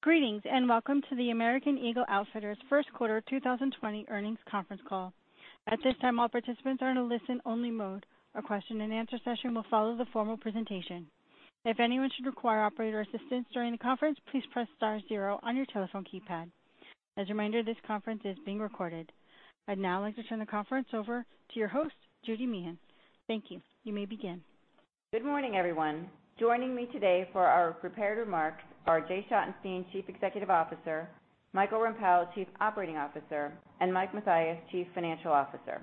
Greetings and welcome to the American Eagle Outfitters first quarter 2020 earnings conference call. At this time, all participants are in a listen-only mode. A question and answer session will follow the formal presentation. If anyone should require operator assistance during the conference, please press star zero on your telephone keypad. As a reminder, this conference is being recorded. I'd now like to turn the conference over to your host, Judy Meehan. Thank you. You may begin. Good morning, everyone. Joining me today for our prepared remarks are Jay Schottenstein, Chief Executive Officer, Michael Rempell, Chief Operating Officer, and Mike Mathias, Chief Financial Officer.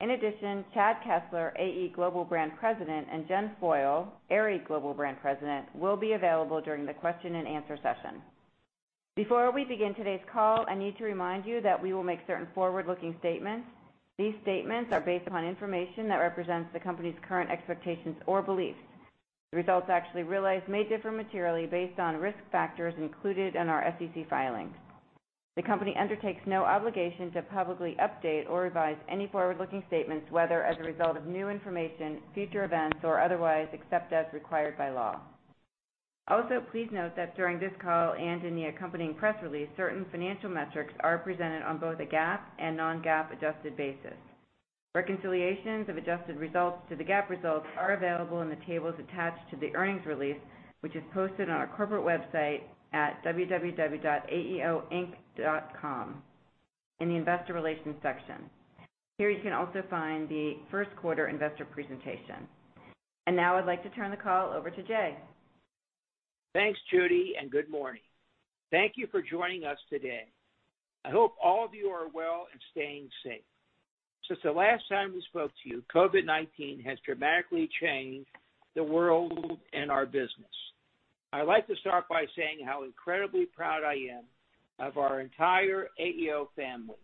In addition, Chad Kessler, AE Global Brand President, and Jen Foyle, Aerie Global Brand President, will be available during the question and answer session. Before we begin today's call, I need to remind you that we will make certain forward-looking statements. These statements are based upon information that represents the company's current expectations or beliefs. The results actually realized may differ materially based on risk factors included in our SEC filings. The company undertakes no obligation to publicly update or revise any forward-looking statements, whether as a result of new information, future events, or otherwise, except as required by law. Also, please note that during this call and in the accompanying press release, certain financial metrics are presented on both a GAAP and non-GAAP adjusted basis. Reconciliations of adjusted results to the GAAP results are available in the tables attached to the earnings release, which is posted on our corporate website at www.aeoinc.com in the investor relations section. Here, you can also find the first quarter investor presentation. Now I'd like to turn the call over to Jay. Thanks, Judy. Good morning. Thank you for joining us today. I hope all of you are well and staying safe. Since the last time we spoke to you, COVID-19 has dramatically changed the world and our business. I'd like to start by saying how incredibly proud I am of our entire AEO family.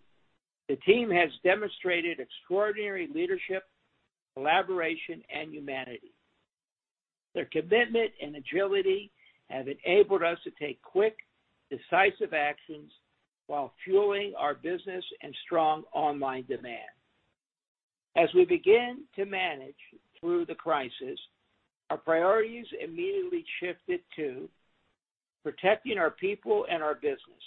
The team has demonstrated extraordinary leadership, collaboration, and humanity. Their commitment and agility have enabled us to take quick, decisive actions while fueling our business and strong online demand. As we begin to manage through the crisis, our priorities immediately shifted to protecting our people and our business,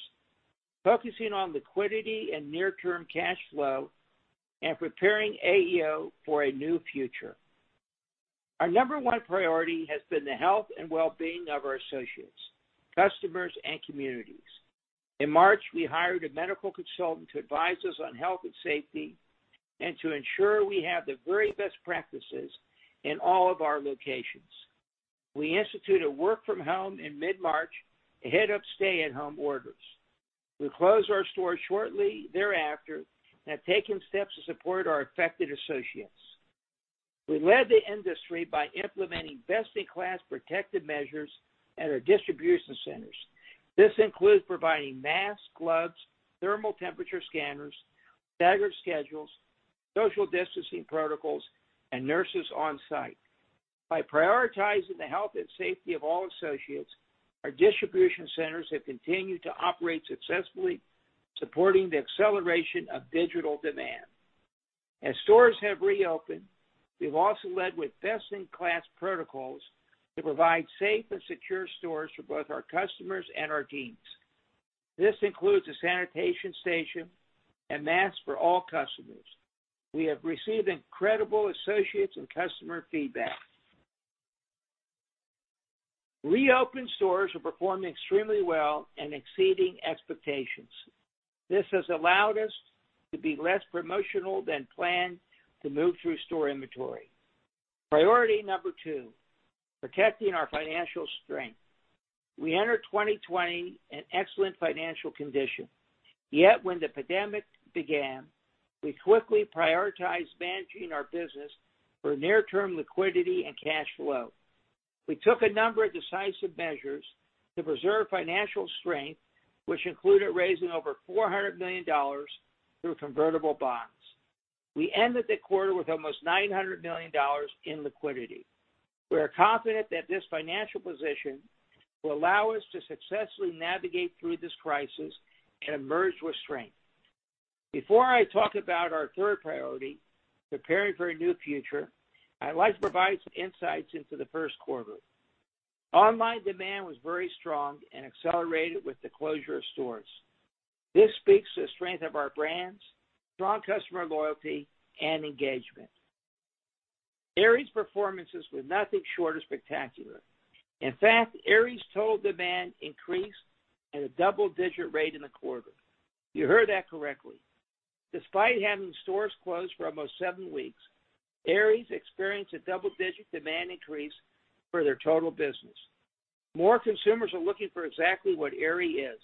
focusing on liquidity and near-term cash flow, and preparing AEO for a new future. Our number one priority has been the health and wellbeing of our associates, customers, and communities. In March, we hired a medical consultant to advise us on health and safety and to ensure we have the very best practices in all of our locations. We instituted work from home in mid-March ahead of stay-at-home orders. We closed our stores shortly thereafter and have taken steps to support our affected associates. We led the industry by implementing best-in-class protective measures at our distribution centers. This includes providing masks, gloves, thermal temperature scanners, staggered schedules, social distancing protocols, and nurses on-site. By prioritizing the health and safety of all associates, our distribution centers have continued to operate successfully, supporting the acceleration of digital demand. As stores have reopened, we've also led with best-in-class protocols to provide safe and secure stores for both our customers and our teams. This includes a sanitation station and masks for all customers. We have received incredible associates and customer feedback. Reopened stores are performing extremely well and exceeding expectations. This has allowed us to be less promotional than planned to move through store inventory. Priority number two, protecting our financial strength. We entered 2020 in excellent financial condition. Yet when the pandemic began, we quickly prioritized managing our business for near-term liquidity and cash flow. We took a number of decisive measures to preserve financial strength, which included raising over $400 million through convertible bonds. We ended the quarter with almost $900 million in liquidity. We are confident that this financial position will allow us to successfully navigate through this crisis and emerge with strength. Before I talk about our third priority, preparing for a new future, I'd like to provide some insights into the first quarter. Online demand was very strong and accelerated with the closure of stores. This speaks to the strength of our brands, strong customer loyalty, and engagement. Aerie's performances were nothing short of spectacular. In fact, Aerie's total demand increased at a double-digit rate in the quarter. You heard that correctly. Despite having stores closed for almost seven weeks, Aerie's experienced a double-digit demand increase for their total business. More consumers are looking for exactly what Aerie is,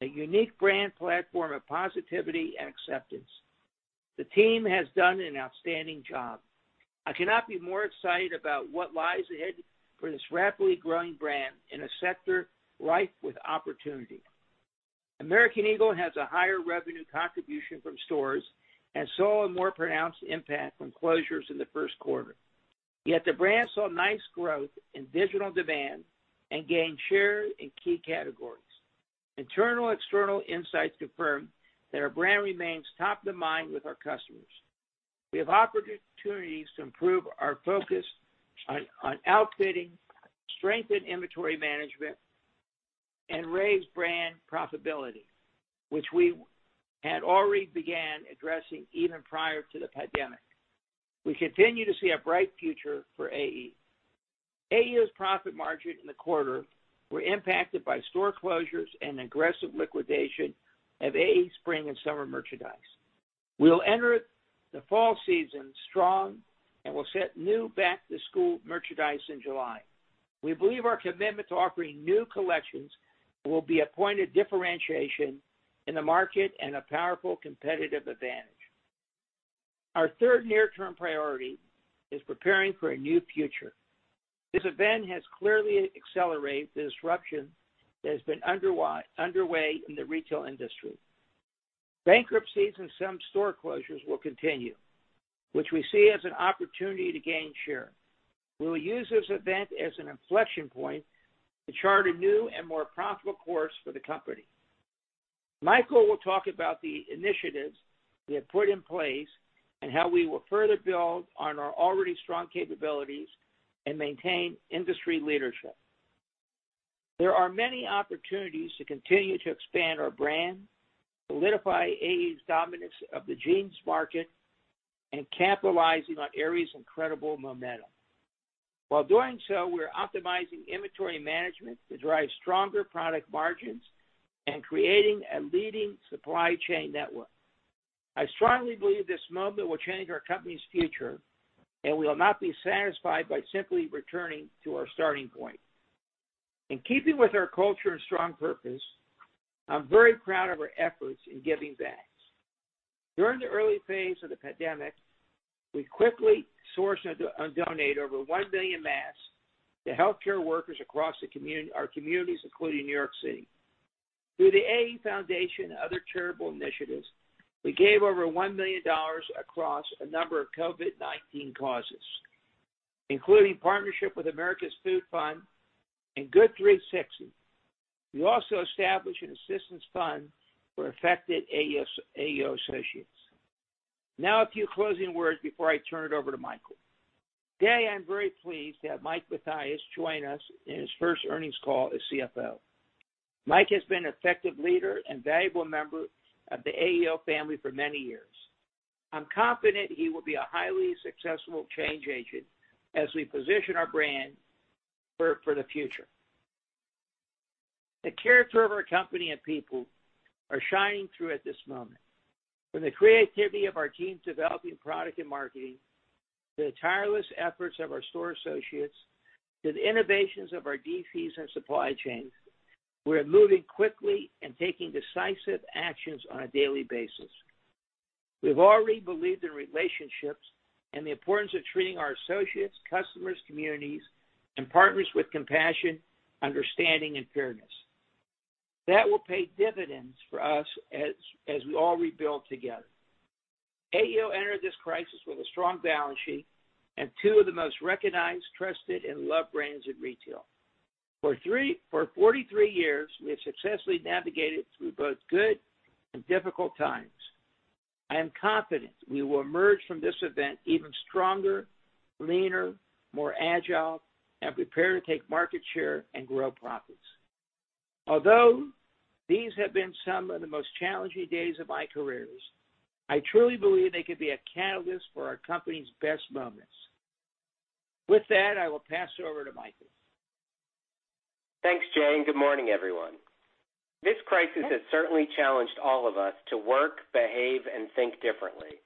a unique brand platform of positivity and acceptance. The team has done an outstanding job. I cannot be more excited about what lies ahead for this rapidly growing brand in a sector rife with opportunity. American Eagle has a higher revenue contribution from stores and saw a more pronounced impact from closures in the first quarter. The brand saw nice growth in digital demand and gained share in key categories. Internal external insights confirm that our brand remains top of the mind with our customers. We have opportunities to improve our focus on outfitting, strengthen inventory management, and raise brand profitability, which we had already began addressing even prior to the pandemic. We continue to see a bright future for AE. AE's profit margin in the quarter were impacted by store closures and aggressive liquidation of AE spring and summer merchandise. We'll enter the fall season strong, we'll set new back-to-school merchandise in July. We believe our commitment to offering new collections will be a point of differentiation in the market and a powerful competitive advantage. Our third near-term priority is preparing for a new future. This event has clearly accelerated the disruption that has been underway in the retail industry. Bankruptcies and some store closures will continue, which we see as an opportunity to gain share. We will use this event as an inflection point to chart a new and more profitable course for the company. Michael will talk about the initiatives we have put in place and how we will further build on our already strong capabilities and maintain industry leadership. There are many opportunities to continue to expand our brand, solidify AE's dominance of the jeans market, and capitalizing on Aerie's incredible momentum. While doing so, we're optimizing inventory management to drive stronger product margins and creating a leading supply chain network. I strongly believe this moment will change our company's future, and we will not be satisfied by simply returning to our starting point. In keeping with our culture of strong purpose, I'm very proud of our efforts in giving back. During the early phase of the pandemic, we quickly sourced and donated over 1 million masks to healthcare workers across our communities, including New York City. Through the AE Foundation and other charitable initiatives, we gave over $1 million across a number of COVID-19 causes, including partnership with America's Food Fund and Good360. We also established an assistance fund for affected AEO associates. Now a few closing words before I turn it over to Michael. Today, I'm very pleased to have Mike Mathias join us in his first earnings call as CFO. Mike has been an effective leader and valuable member of the AEO family for many years. I'm confident he will be a highly successful change agent as we position our brand for the future. The character of our company and people are shining through at this moment. From the creativity of our teams developing product and marketing, to the tireless efforts of our store associates, to the innovations of our DCs and supply chain, we're moving quickly and taking decisive actions on a daily basis. We've already believed in relationships and the importance of treating our associates, customers, communities, and partners with compassion, understanding, and fairness. That will pay dividends for us as we all rebuild together. AEO entered this crisis with a strong balance sheet and two of the most recognized, trusted, and loved brands in retail. For 43 years, we have successfully navigated through both good and difficult times. I am confident we will emerge from this event even stronger, leaner, more agile, and prepared to take market share and grow profits. Although these have been some of the most challenging days of my careers, I truly believe they could be a catalyst for our company's best moments. With that, I will pass it over to Michael. Thanks, Jay, and good morning, everyone. This crisis has certainly challenged all of us to work, behave, and think differently.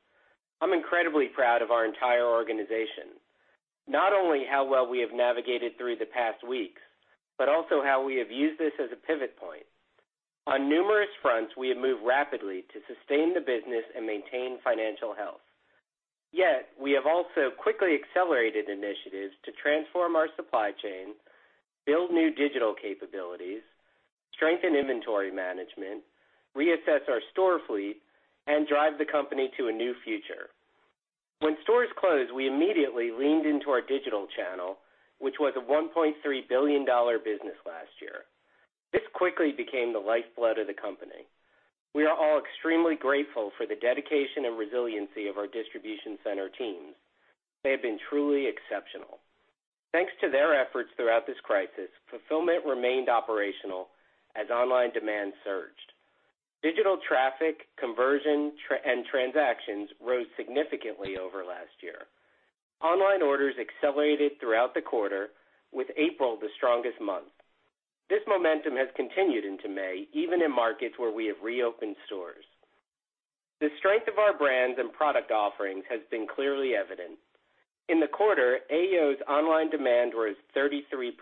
I'm incredibly proud of our entire organization. Not only how well we have navigated through the past weeks, but also how we have used this as a pivot point. On numerous fronts, we have moved rapidly to sustain the business and maintain financial health. Yet, we have also quickly accelerated initiatives to transform our supply chain, build new digital capabilities, strengthen inventory management, reassess our store fleet, and drive the company to a new future. When stores closed, we immediately leaned into our digital channel, which was a $1.3 billion business last year. This quickly became the lifeblood of the company. We are all extremely grateful for the dedication and resiliency of our distribution center teams. They have been truly exceptional. Thanks to their efforts throughout this crisis, fulfillment remained operational as online demand surged. Digital traffic, conversion, and transactions rose significantly over last year. Online orders accelerated throughout the quarter, with April the strongest month. This momentum has continued into May, even in markets where we have reopened stores. The strength of our brands and product offerings has been clearly evident. In the quarter, AEO's online demand rose 33%.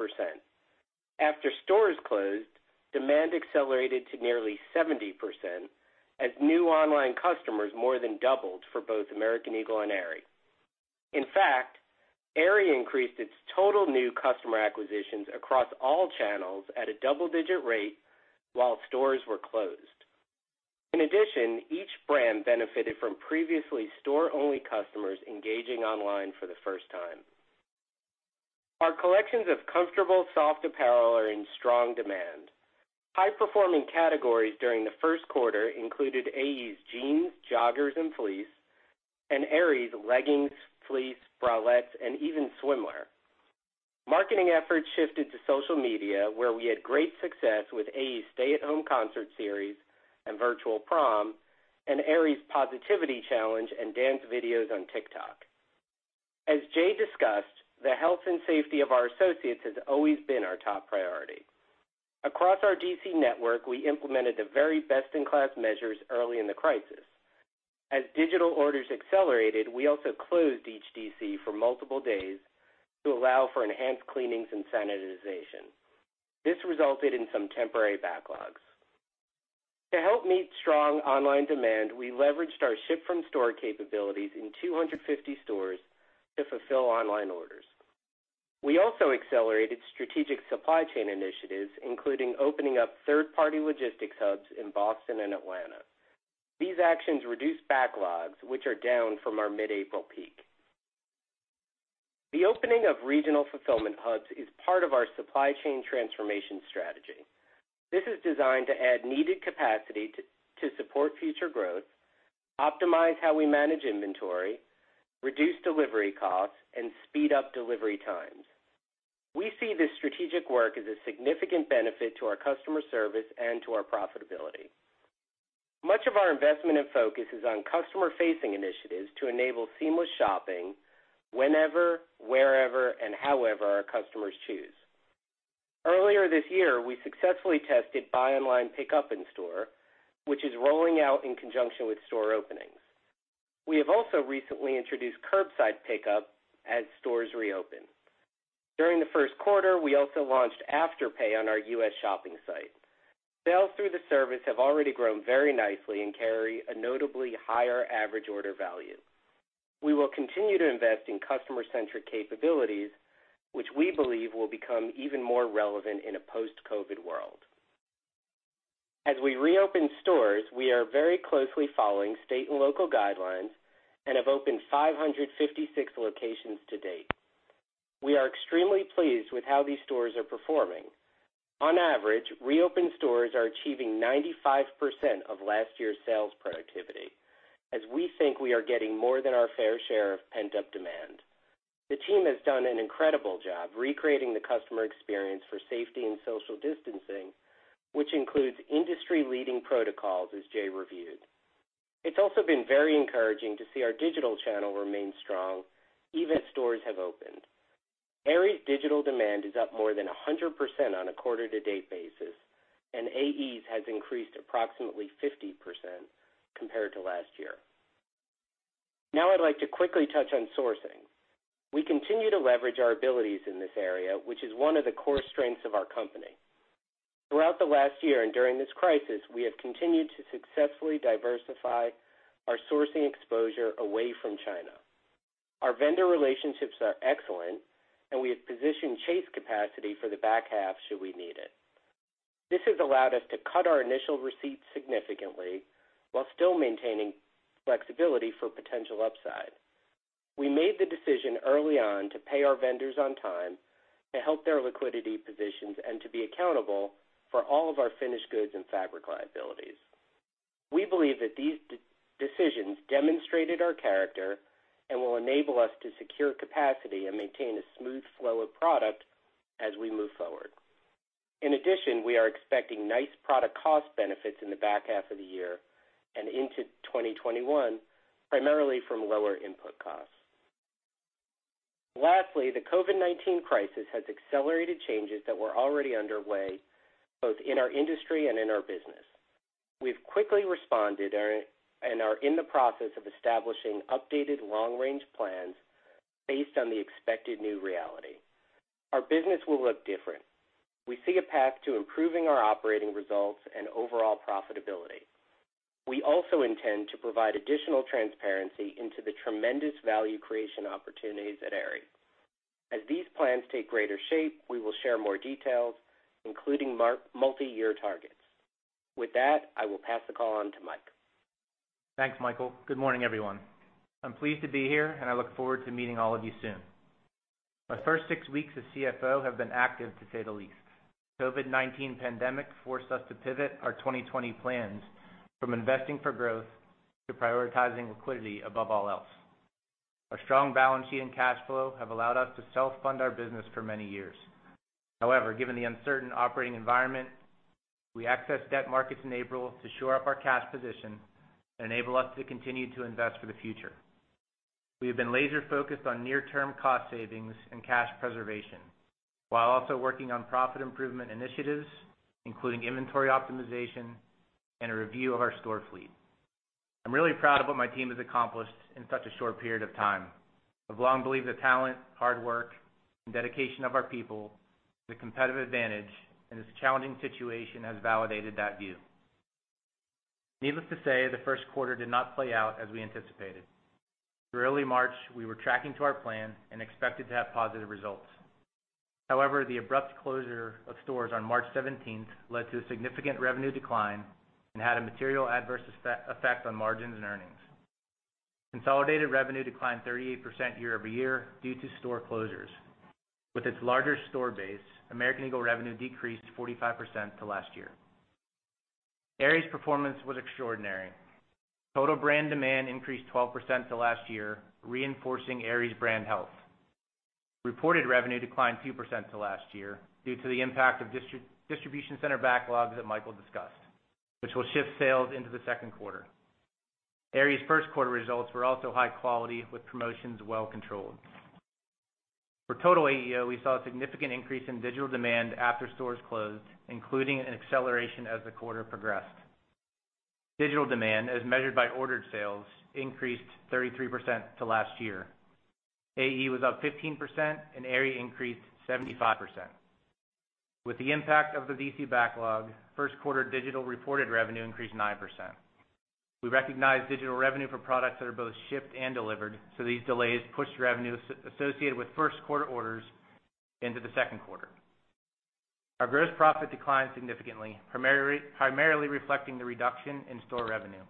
After stores closed, demand accelerated to nearly 70% as new online customers more than doubled for both American Eagle and Aerie. In fact, Aerie increased its total new customer acquisitions across all channels at a double-digit rate while stores were closed. In addition, each brand benefited from previously store-only customers engaging online for the first time. Collections of comfortable soft apparel are in strong demand. High-performing categories during the first quarter included AE's jeans, joggers, and fleece, and Aerie's leggings, fleece, bralettes, and even swimwear. Marketing efforts shifted to social media, where we had great success with AE's stay-at-home concert series and virtual prom, and Aerie's positivity challenge and dance videos on TikTok. As Jay discussed, the health and safety of our associates has always been our top priority. Across our DC network, we implemented the very best-in-class measures early in the crisis. As digital orders accelerated, we also closed each DC for multiple days to allow for enhanced cleanings and sanitization. This resulted in some temporary backlogs. To help meet strong online demand, we leveraged our ship-from-store capabilities in 250 stores to fulfill online orders. We also accelerated strategic supply chain initiatives, including opening up third-party logistics hubs in Boston and Atlanta. These actions reduced backlogs, which are down from our mid-April peak. The opening of regional fulfillment hubs is part of our supply chain transformation strategy. This is designed to add needed capacity to support future growth, optimize how we manage inventory, reduce delivery costs, and speed up delivery times. We see this strategic work as a significant benefit to our customer service and to our profitability. Much of our investment and focus is on customer-facing initiatives to enable seamless shopping whenever, wherever, and however our customers choose. Earlier this year, we successfully tested buy online, pickup in store, which is rolling out in conjunction with store openings. We have also recently introduced curbside pickup as stores reopen. During the first quarter, we also launched Afterpay on our U.S. shopping site. Sales through the service have already grown very nicely and carry a notably higher average order value. We will continue to invest in customer-centric capabilities, which we believe will become even more relevant in a post-COVID world. As we reopen stores, we are very closely following state and local guidelines and have opened 556 locations to date. We are extremely pleased with how these stores are performing. On average, reopened stores are achieving 95% of last year's sales productivity, as we think we are getting more than our fair share of pent-up demand. The team has done an incredible job recreating the customer experience for safety and social distancing, which includes industry-leading protocols, as Jay reviewed. It's also been very encouraging to see our digital channel remain strong even as stores have opened. Aerie's digital demand is up more than 100% on a quarter-to-date basis, and AE's has increased approximately 50% compared to last year. I'd like to quickly touch on sourcing. We continue to leverage our abilities in this area, which is one of the core strengths of our company. Throughout the last year and during this crisis, we have continued to successfully diversify our sourcing exposure away from China. Our vendor relationships are excellent, and we have positioned chase capacity for the back half should we need it. This has allowed us to cut our initial receipts significantly while still maintaining flexibility for potential upside. We made the decision early on to pay our vendors on time, to help their liquidity positions, and to be accountable for all of our finished goods and fabric liabilities. We believe that these decisions demonstrated our character and will enable us to secure capacity and maintain a smooth flow of product as we move forward. In addition, we are expecting nice product cost benefits in the back half of the year and into 2021, primarily from lower input costs. Lastly, the COVID-19 crisis has accelerated changes that were already underway, both in our industry and in our business. We've quickly responded and are in the process of establishing updated long-range plans based on the expected new reality. Our business will look different. We see a path to improving our operating results and overall profitability. We also intend to provide additional transparency into the tremendous value creation opportunities at Aerie. As these plans take greater shape, we will share more details, including multi-year targets. With that, I will pass the call on to Mike. Thanks, Michael. Good morning, everyone. I'm pleased to be here, and I look forward to meeting all of you soon. My first six weeks as CFO have been active, to say the least. COVID-19 pandemic forced us to pivot our 2020 plans from investing for growth to prioritizing liquidity above all else. Our strong balance sheet and cash flow have allowed us to self-fund our business for many years. However, given the uncertain operating environment, we accessed debt markets in April to shore up our cash position and enable us to continue to invest for the future. We have been laser-focused on near-term cost savings and cash preservation, while also working on profit improvement initiatives, including inventory optimization and a review of our store fleet. I'm really proud of what my team has accomplished in such a short period of time. I've long believed the talent, hard work, and dedication of our people is a competitive advantage, and this challenging situation has validated that view. Needless to say, the first quarter did not play out as we anticipated. Through early March, we were tracking to our plan and expected to have positive results. However, the abrupt closure of stores on March 17th led to a significant revenue decline and had a material adverse effect on margins and earnings. Consolidated revenue declined 38% year-over-year due to store closures. With its larger store base, American Eagle revenue decreased 45% to last year. Aerie's performance was extraordinary. Total brand demand increased 12% to last year, reinforcing Aerie's brand health. Reported revenue declined 2% to last year due to the impact of distribution center backlogs that Michael discussed, which will shift sales into the second quarter. Aerie's first quarter results were also high quality, with promotions well-controlled. For total AEO, we saw a significant increase in digital demand after stores closed, including an acceleration as the quarter progressed. Digital demand, as measured by ordered sales, increased 33% to last year. AE was up 15%, and Aerie increased 75%. With the impact of the DC backlog, first quarter digital reported revenue increased 9%. We recognized digital revenue for products that are both shipped and delivered, so these delays pushed revenues associated with first quarter orders into the second quarter. Our gross profit declined significantly, primarily reflecting the reduction in store revenue,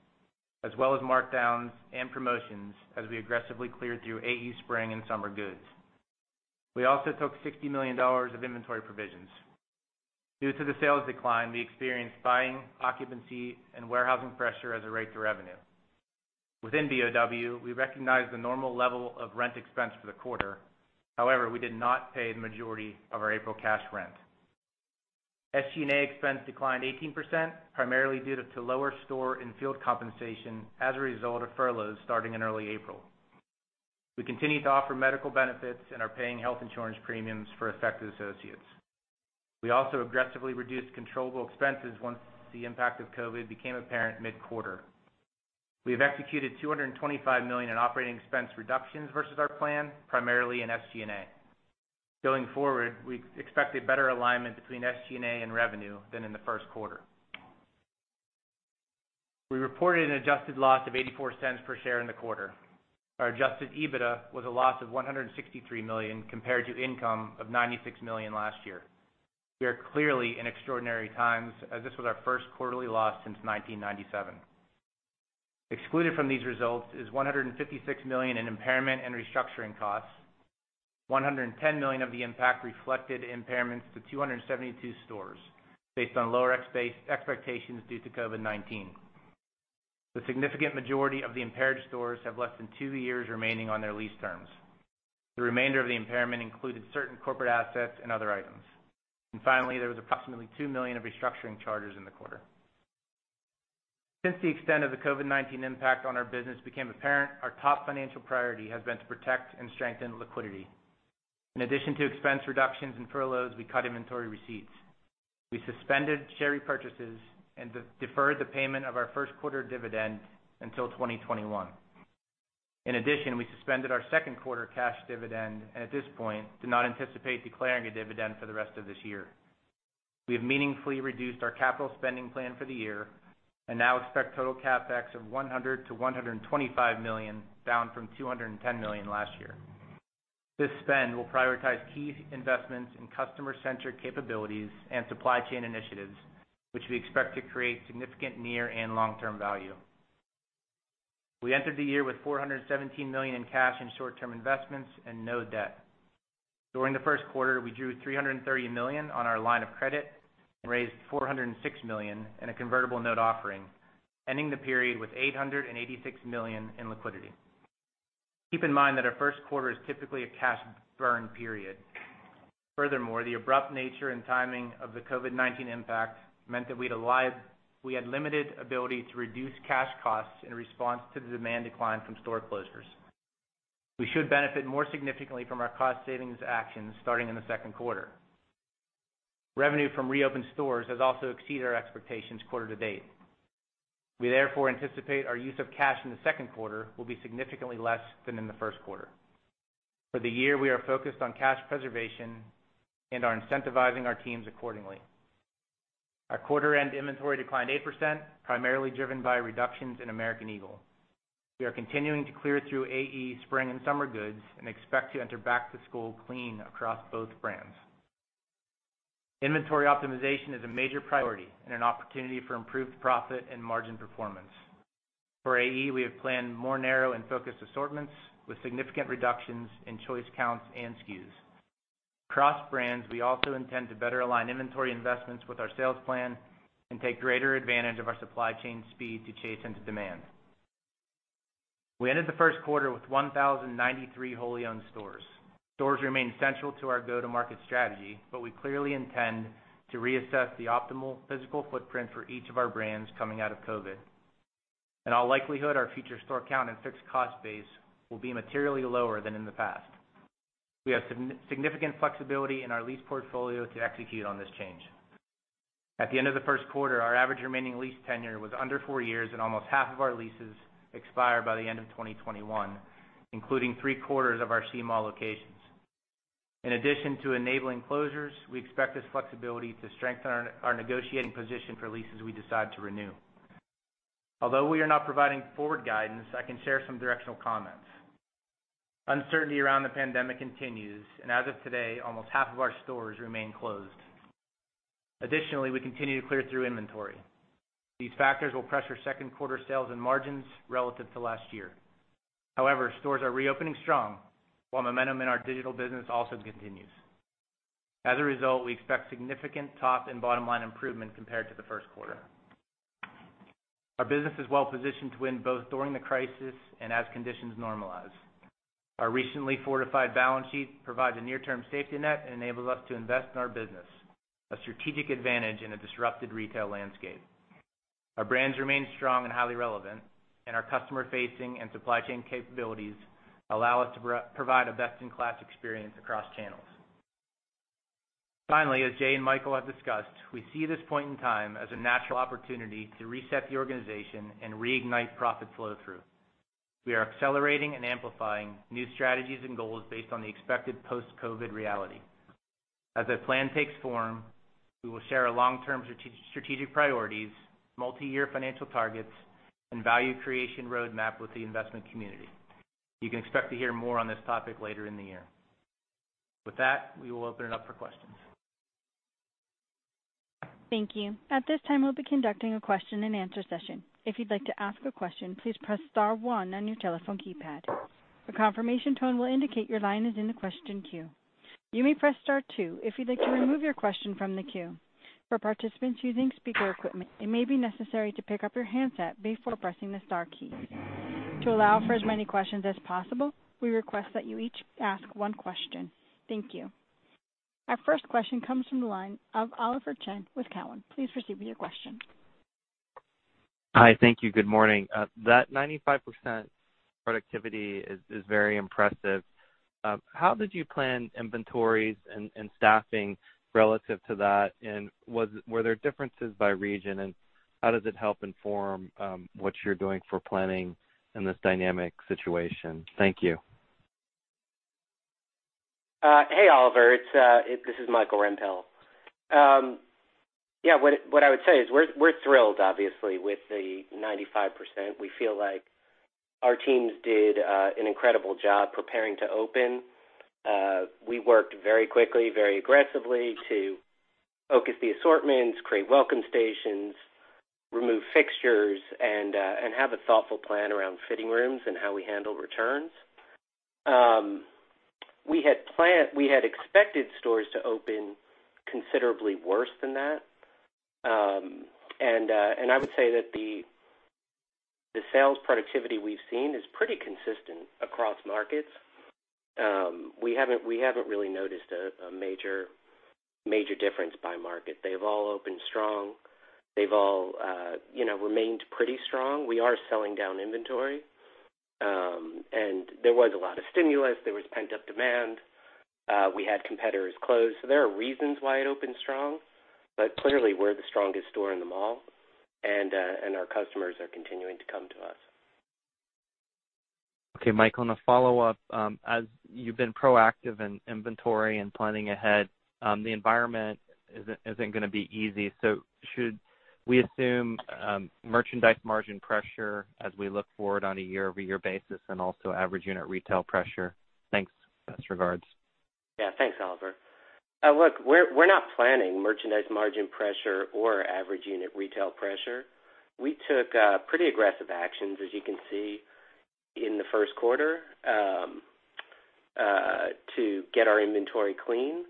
as well as markdowns and promotions as we aggressively cleared through AE spring and summer goods. We also took $60 million of inventory provisions. Due to the sales decline, we experienced buying, occupancy, and warehousing pressure as a rate to revenue. Within BOW, we recognized the normal level of rent expense for the quarter. We did not pay the majority of our April cash rent. SG&A expense declined 18%, primarily due to lower store and field compensation as a result of furloughs starting in early April. We continue to offer medical benefits and are paying health insurance premiums for affected associates. We also aggressively reduced controllable expenses once the impact of COVID-19 became apparent mid-quarter. We have executed $225 million in operating expense reductions versus our plan, primarily in SG&A. Going forward, we expect a better alignment between SG&A and revenue than in the first quarter. We reported an adjusted loss of $0.84 per share in the quarter. Our adjusted EBITDA was a loss of $163 million compared to income of $96 million last year. We are clearly in extraordinary times, as this was our first quarterly loss since 1997. Excluded from these results is $156 million in impairment and restructuring costs, $110 million of the impact reflected impairments to 272 stores based on lower expectations due to COVID-19. The significant majority of the impaired stores have less than two years remaining on their lease terms. The remainder of the impairment included certain corporate assets and other items. Finally, there was approximately $2 million of restructuring charges in the quarter. Since the extent of the COVID-19 impact on our business became apparent, our top financial priority has been to protect and strengthen liquidity. In addition to expense reductions and furloughs, we cut inventory receipts. We suspended share repurchases and deferred the payment of our first quarter dividend until 2021. In addition, we suspended our second quarter cash dividend, and at this point, do not anticipate declaring a dividend for the rest of this year. We have meaningfully reduced our capital spending plan for the year and now expect total CapEx of $100 million-$125 million, down from $210 million last year. This spend will prioritize key investments in customer-centric capabilities and supply chain initiatives, which we expect to create significant near and long-term value. We entered the year with $417 million in cash and short-term investments and no debt. During the first quarter, we drew $330 million on our line of credit and raised $406 million in a convertible note offering, ending the period with $886 million in liquidity. Keep in mind that our first quarter is typically a cash burn period. Furthermore, the abrupt nature and timing of the COVID-19 impact meant that we had limited ability to reduce cash costs in response to the demand decline from store closures. We should benefit more significantly from our cost savings actions starting in the second quarter. Revenue from reopened stores has also exceeded our expectations quarter to date. We therefore anticipate our use of cash in the second quarter will be significantly less than in the first quarter. For the year, we are focused on cash preservation and are incentivizing our teams accordingly. Our quarter-end inventory declined 8%, primarily driven by reductions in American Eagle. We are continuing to clear through AE spring and summer goods and expect to enter back to school clean across both brands. Inventory optimization is a major priority and an opportunity for improved profit and margin performance. For AE, we have planned more narrow and focused assortments with significant reductions in choice counts and SKUs. Across brands, we also intend to better align inventory investments with our sales plan and take greater advantage of our supply chain speed to chase into demand. We ended the first quarter with 1,093 wholly owned stores. Stores remain central to our go-to-market strategy, but we clearly intend to reassess the optimal physical footprint for each of our brands coming out of COVID. In all likelihood, our future store count and fixed cost base will be materially lower than in the past. We have significant flexibility in our lease portfolio to execute on this change. At the end of the first quarter, our average remaining lease tenure was under four years, and almost half of our leases expire by the end of 2021, including three-quarters of our C-mall locations. In addition to enabling closures, we expect this flexibility to strengthen our negotiating position for leases we decide to renew. Although we are not providing forward guidance, I can share some directional comments. Uncertainty around the pandemic continues, and as of today, almost half of our stores remain closed. We continue to clear through inventory. These factors will pressure second quarter sales and margins relative to last year. Stores are reopening strong, while momentum in our digital business also continues. We expect significant top and bottom-line improvement compared to the first quarter. Our business is well positioned to win both during the crisis and as conditions normalize. Our recently fortified balance sheet provides a near-term safety net and enables us to invest in our business, a strategic advantage in a disrupted retail landscape. Our brands remain strong and highly relevant, and our customer-facing and supply chain capabilities allow us to provide a best-in-class experience across channels. Finally, as Jay and Michael have discussed, we see this point in time as a natural opportunity to reset the organization and reignite profit flow through. We are accelerating and amplifying new strategies and goals based on the expected post-COVID-19 reality. As that plan takes form, we will share our long-term strategic priorities, multi-year financial targets, and value creation roadmap with the investment community. You can expect to hear more on this topic later in the year. With that, we will open it up for questions. Thank you. At this time, we will be conducting a question and answer session. If you would like to ask a question, please press star one on your telephone keypad. A confirmation tone will indicate your line is in the question queue. You may press star two if you would like to remove your question from the queue. For participants using speaker equipment, it may be necessary to pick up your handset before pressing the star key. To allow for as many questions as possible, we request that you each ask one question. Thank you. Our first question comes from the line of Oliver Chen with Cowen. Please proceed with your question. Hi. Thank you. Good morning. That 95% productivity is very impressive. How did you plan inventories and staffing relative to that, and were there differences by region, and how does it help inform what you're doing for planning in this dynamic situation? Thank you. Hey, Oliver, this is Michael Rempell. Yeah, what I would say is we're thrilled obviously with the 95%. We feel like our teams did an incredible job preparing to open. We worked very quickly, very aggressively to focus the assortments, create welcome stations, remove fixtures, and have a thoughtful plan around fitting rooms and how we handle returns. We had expected stores to open considerably worse than that. I would say that the sales productivity we've seen is pretty consistent across markets. We haven't really noticed a major difference by market. They've all opened strong. They've all remained pretty strong. We are selling down inventory. There was a lot of stimulus. There was pent-up demand. We had competitors close, so there are reasons why it opened strong, but clearly, we're the strongest store in the mall, and our customers are continuing to come to us. Okay, Michael, a follow-up. As you've been proactive in inventory and planning ahead, the environment isn't going to be easy. Should we assume merchandise margin pressure as we look forward on a year-over-year basis and also average unit retail pressure? Thanks. Best regards. Yeah. Thanks, Oliver. Look, we're not planning merchandise margin pressure or average unit retail pressure. We took pretty aggressive actions, as you can see, in the first quarter to get our inventory clean.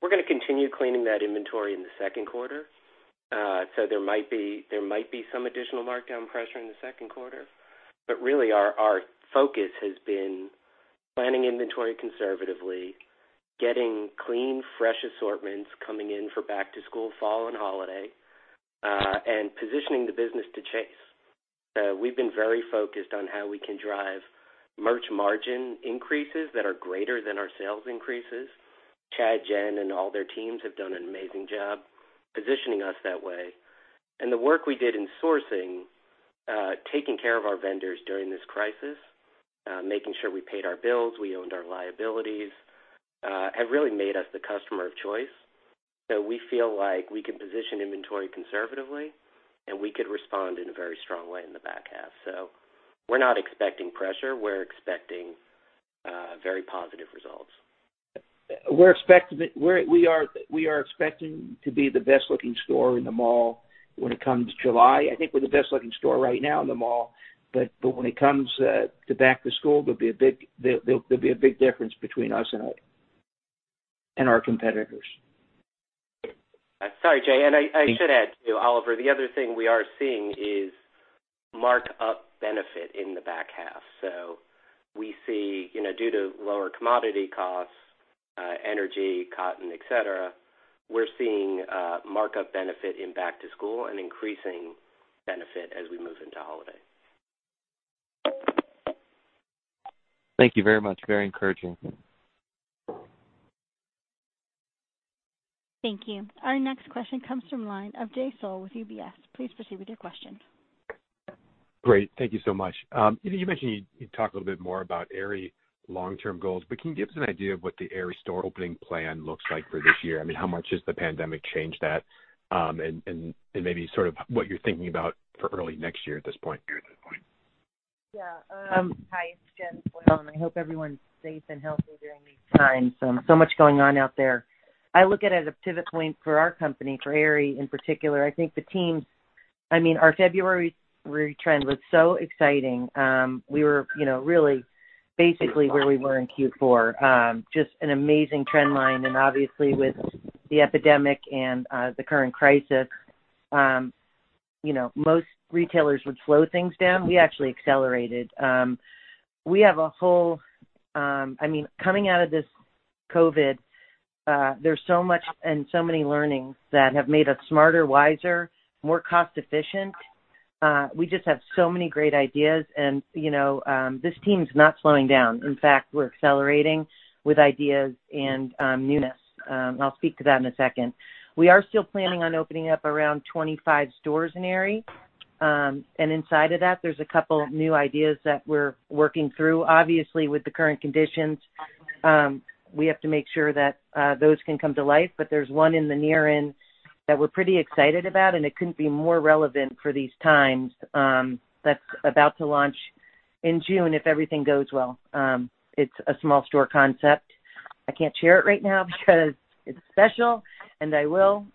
We're going to continue cleaning that inventory in the second quarter. There might be some additional markdown pressure in the second quarter. Really, our focus has been planning inventory conservatively, getting clean, fresh assortments coming in for back to school, fall, and holiday, and positioning the business to chase. We've been very focused on how we can drive merch margin increases that are greater than our sales increases. Chad, Jen, and all their teams have done an amazing job positioning us that way. The work we did in sourcing, taking care of our vendors during this crisis, making sure we paid our bills, we owned our liabilities, have really made us the customer of choice. We feel like we can position inventory conservatively, and we could respond in a very strong way in the back half. We're not expecting pressure. We're expecting very positive results. We are expecting to be the best-looking store in the mall when it comes July. I think we're the best-looking store right now in the mall, but when it comes to back to school, there'll be a big difference between us and our competitors. Sorry, Jay, I should add too, Oliver, the other thing we are seeing is mark-up benefit in the back half. We see, due to lower commodity costs, energy, cotton, et cetera, we're seeing a mark-up benefit in back to school and increasing benefit as we move into holiday. Thank you very much. Very encouraging. Thank you. Our next question comes from the line of Jay Sole with UBS. Please proceed with your question. Great. Thank you so much. You mentioned you'd talk a little bit more about Aerie long-term goals, can you give us an idea of what the Aerie store opening plan looks like for this year? I mean, how much has the pandemic changed that, and maybe sort of what you're thinking about for early next year at this point? Hi, it's Jen Foyle. I hope everyone's safe and healthy during these times. Much going on out there. I look at it as a pivot point for our company, for Aerie in particular. I think the team. Our February trend was so exciting. We were really basically where we were in Q4, just an amazing trend line. Obviously with the epidemic and the current crisis, most retailers would slow things down. We actually accelerated. Coming out of this COVID-19, there's so much and so many learnings that have made us smarter, wiser, more cost-efficient. We just have so many great ideas. This team's not slowing down. In fact, we're accelerating with ideas and newness. I'll speak to that in a second. We are still planning on opening up around 25 stores in Aerie. Inside of that, there's a couple new ideas that we're working through. Obviously, with the current conditions, we have to make sure that those can come to life. There's one in the near end that we're pretty excited about, and it couldn't be more relevant for these times, that's about to launch in June if everything goes well. It's a small store concept. I can't share it right now because it's special, and I will,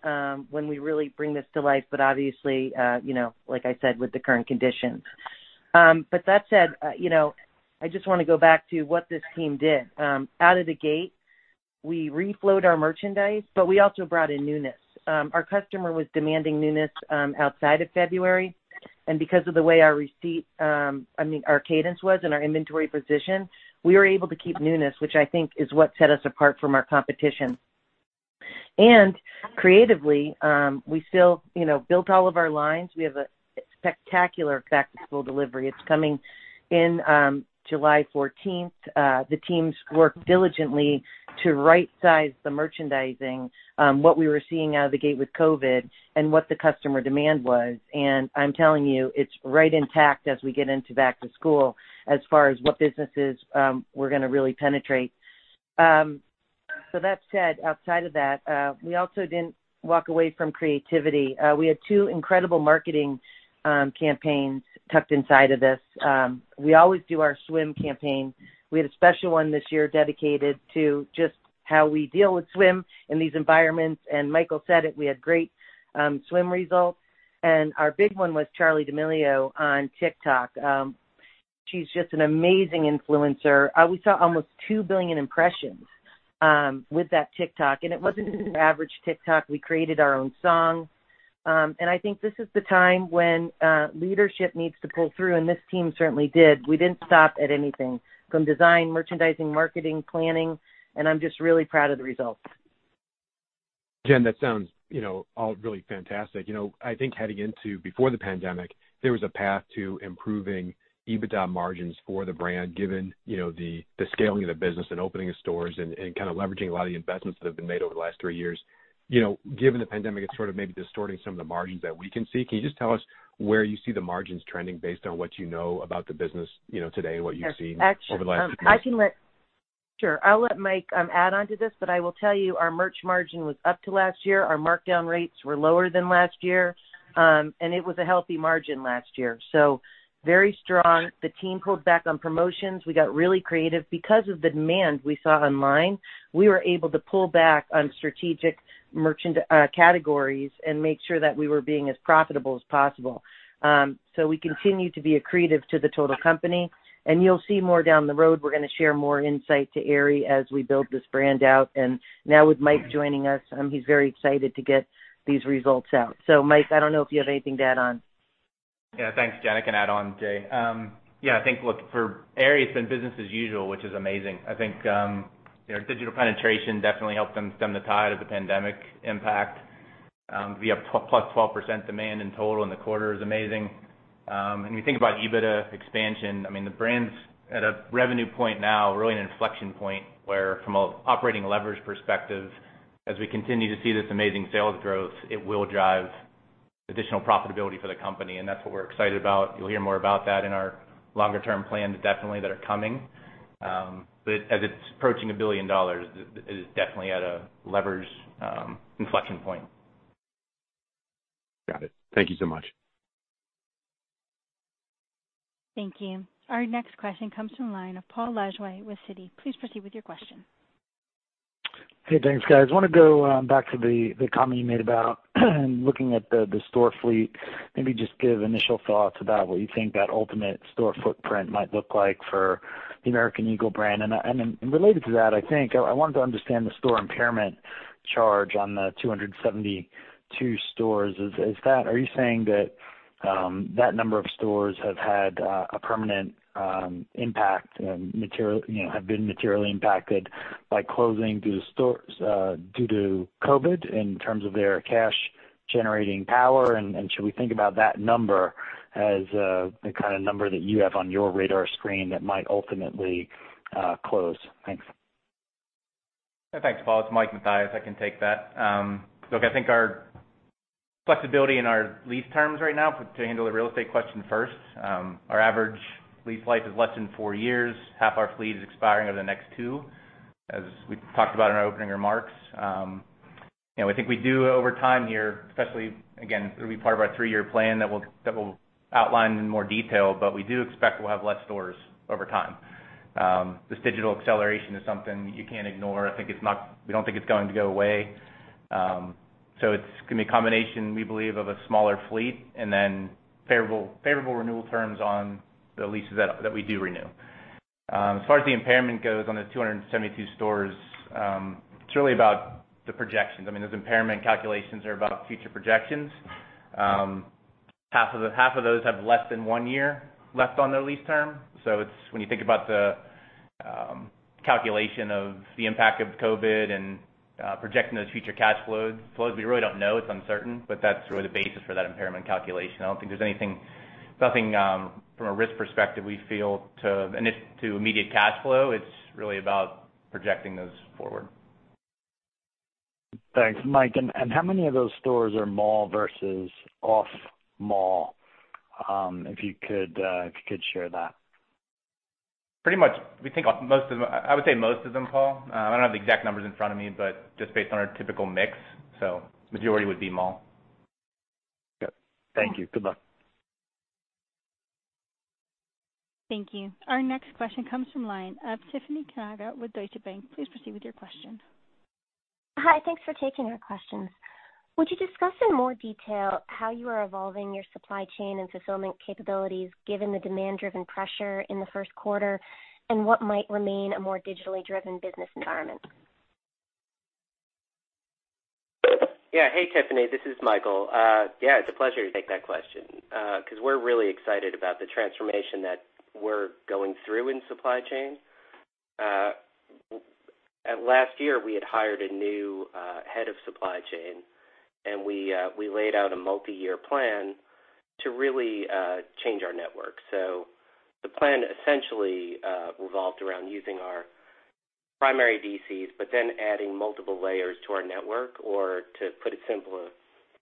when we really bring this to life, but obviously, like I said, with the current conditions. That said, I just want to go back to what this team did. Out of the gate, we reflowed our merchandise, but we also brought in newness. Our customer was demanding newness outside of February. Because of the way our cadence was and our inventory position, we were able to keep newness, which I think is what set us apart from our competition. Creatively, we still built all of our lines. We have a spectacular back-to-school delivery. It's coming in July 14th. The teams worked diligently to right size the merchandising, what we were seeing out of the gate with COVID and what the customer demand was. I'm telling you, it's right intact as we get into back to school as far as what businesses we're going to really penetrate. That said, outside of that, we also didn't walk away from creativity. We had two incredible marketing campaigns tucked inside of this. We always do our swim campaign. We had a special one this year dedicated to just how we deal with swim in these environments. Michael said it, we had great swim results. Our big one was Charli D'Amelio on TikTok. She's just an amazing influencer. We saw almost 2 billion impressions with that TikTok, and it wasn't an average TikTok. We created our own song. I think this is the time when leadership needs to pull through, and this team certainly did. We didn't stop at anything from design, merchandising, marketing, planning, and I'm just really proud of the results. Jen, that sounds all really fantastic. I think heading into before the pandemic, there was a path to improving EBITDA margins for the brand, given the scaling of the business and opening of stores and kind of leveraging a lot of the investments that have been made over the last three years. Given the pandemic, it's sort of maybe distorting some of the margins that we can see. Can you just tell us where you see the margins trending based on what you know about the business today and what you've seen over the last few months? Sure. I'll let Mike add onto this. I will tell you our merch margin was up to last year. Our markdown rates were lower than last year. It was a healthy margin last year. Very strong. The team pulled back on promotions. We got really creative. Because of the demand we saw online, we were able to pull back on strategic categories and make sure that we were being as profitable as possible. We continue to be accretive to the total company, and you'll see more down the road. We're going to share more insight to Aerie as we build this brand out. Now with Mike joining us, he's very excited to get these results out. Mike, I don't know if you have anything to add on. Yeah. Thanks, Jen. I can add on, Jay. Yeah, I think, look, for Aerie, it's been business as usual, which is amazing. I think, digital penetration definitely helped them stem the tide of the pandemic impact. We have +12% demand in total in the quarter is amazing. You think about EBITDA expansion, the brand's at a revenue point now, really an inflection point, where from an operating leverage perspective, as we continue to see this amazing sales growth, it will drive additional profitability for the company, and that's what we're excited about. You'll hear more about that in our longer-term plans, definitely, that are coming. As it's approaching $1 billion, it is definitely at a leverage inflection point. Got it. Thank you so much. Thank you. Our next question comes from the line of Paul Lejuez with Citi. Please proceed with your question. Hey, thanks, guys. Want to go back to the comment you made about looking at the store fleet. Maybe just give initial thoughts about what you think that ultimate store footprint might look like for the American Eagle brand. Then related to that, I think I wanted to understand the store impairment charge on the 272 stores. Are you saying that that number of stores have had a permanent impact and have been materially impacted by closing due to COVID in terms of their cash generating power? Should we think about that number as the kind of number that you have on your radar screen that might ultimately close? Thanks. Thanks, Paul. It's Mike Mathias. I can take that. I think our flexibility in our lease terms right now, to handle the real estate question first, our average lease life is less than four years. Half our fleet is expiring over the next two, as we talked about in our opening remarks. I think we do over time here, especially, again, it'll be part of our three-year plan that we'll outline in more detail. We do expect we'll have less stores over time. This digital acceleration is something that you can't ignore. We don't think it's going to go away. It's going to be a combination, we believe, of a smaller fleet and then favorable renewal terms on the leases that we do renew. As far as the impairment goes on the 272 stores, it's really about the projections. Those impairment calculations are about future projections. Half of those have less than one year left on their lease term. When you think about the calculation of the impact of COVID and projecting those future cash flows, we really don't know. It's uncertain, but that's really the basis for that impairment calculation. I don't think there's anything from a risk perspective we feel to immediate cash flow. It's really about projecting those forward. Thanks, Mike. How many of those stores are mall versus off mall? If you could share that. Pretty much, I would say most of them, Paul. I don't have the exact numbers in front of me, but just based on our typical mix, majority would be mall. Yep. Thank you. Good luck. Thank you. Our next question comes from line of Tiffany Kanaga with Deutsche Bank. Please proceed with your question. Hi. Thanks for taking our questions. Would you discuss in more detail how you are evolving your supply chain and fulfillment capabilities, given the demand-driven pressure in the first quarter, and what might remain a more digitally driven business environment? Yeah. Hey, Tiffany. This is Michael. Yeah, it's a pleasure to take that question, because we're really excited about the transformation that we're going through in supply chain. Last year, we had hired a new head of supply chain, and we laid out a multi-year plan to really change our network. The plan essentially revolved around using our primary DCs, but then adding multiple layers to our network. To put it simpler,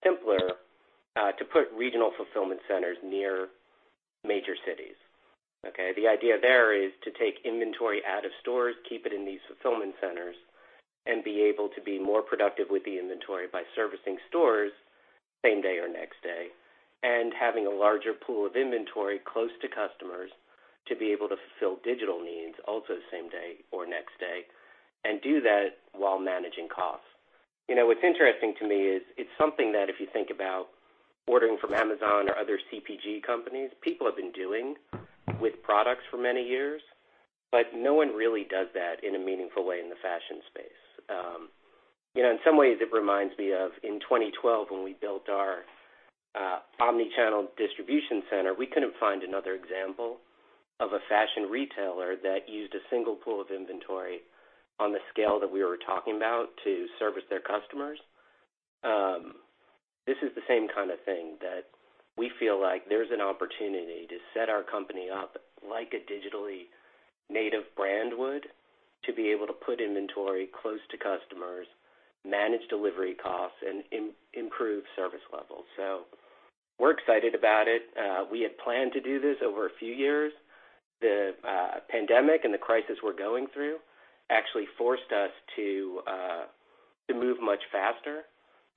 to put regional fulfillment centers near major cities. Okay? The idea there is to take inventory out of stores, keep it in these fulfillment centers, and be able to be more productive with the inventory by servicing stores same day or next day, and having a larger pool of inventory close to customers to be able to fulfill digital needs, also same day or next day, and do that while managing costs. What's interesting to me is it's something that if you think about ordering from Amazon or other CPG companies, people have been doing with products for many years, but no one really does that in a meaningful way in the fashion space. In some ways it reminds me of in 2012 when we built our omni-channel distribution center, we couldn't find another example of a fashion retailer that used a single pool of inventory on the scale that we were talking about to service their customers. This is the same kind of thing that we feel like there's an opportunity to set our company up like a digitally native brand would to be able to put inventory close to customers, manage delivery costs, and improve service levels. We're excited about it. We had planned to do this over a few years. The pandemic and the crisis we're going through actually forced us to move much faster.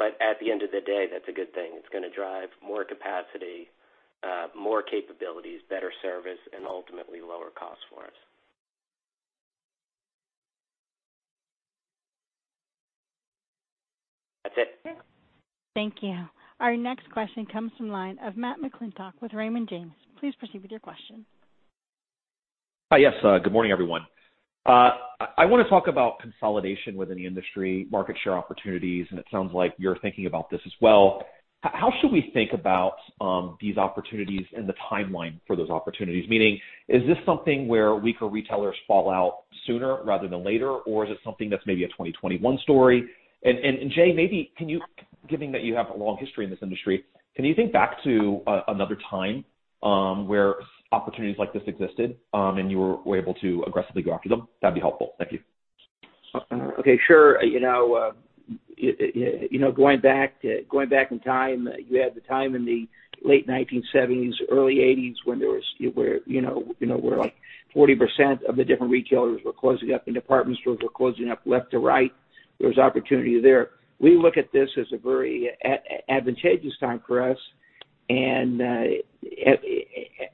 At the end of the day, that's a good thing. It's going to drive more capacity, more capabilities, better service, and ultimately lower costs for us. That's it. Thank you. Our next question comes from line of Matt McClintock with Raymond James. Please proceed with your question. Hi, yes. Good morning, everyone. I want to talk about consolidation within the industry, market share opportunities, and it sounds like you're thinking about this as well. How should we think about these opportunities and the timeline for those opportunities? Meaning, is this something where weaker retailers fall out sooner rather than later, or is it something that's maybe a 2021 story? Jay, maybe can you, given that you have a long history in this industry, can you think back to another time where opportunities like this existed, and you were able to aggressively go after them? That'd be helpful. Thank you. Okay, sure. Going back in time, you had the time in the late 1970s, early 1980s, where like 40% of the different retailers were closing up and department stores were closing up left to right. There was opportunity there. We look at this as a very advantageous time for us, and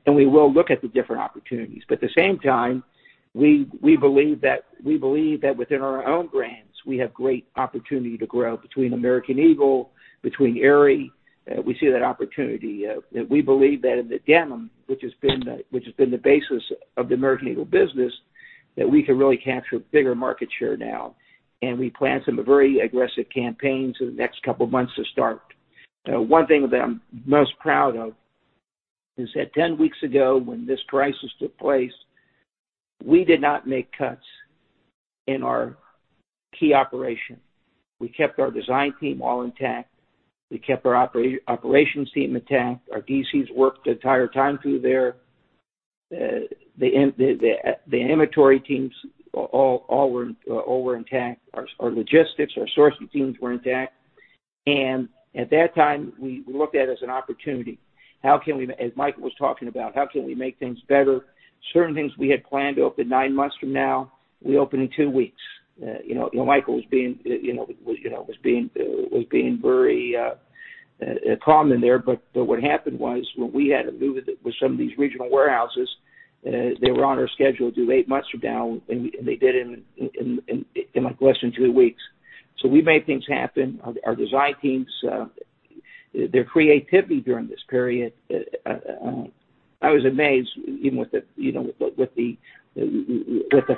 we will look at the different opportunities. At the same time, we believe that within our own brands, we have great opportunity to grow between American Eagle, between Aerie. We see that opportunity. We believe that in the denim, which has been the basis of the American Eagle business, that we can really capture bigger market share now, and we plan some very aggressive campaigns in the next couple of months to start. One thing that I'm most proud of is that 10 weeks ago, when this crisis took place, we did not make cuts in our key operation. We kept our design team all intact. We kept our operations team intact. Our DCs worked the entire time through there. The inventory teams all were intact. Our logistics, our sourcing teams were intact. At that time, we looked at it as an opportunity. As Mike was talking about, how can we make things better? Certain things we had planned to open nine months from now, we opened in two weeks. Michael was being very calm in there, but what happened was, when we had to move with some of these regional warehouses, they were on our schedule due eight months from now, and they did it in less than two weeks. We made things happen. Our design teams, their creativity during this period, I was amazed with the